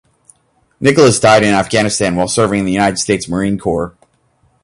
Nicholas died in Afghanistan while serving in the United States Marine Corps.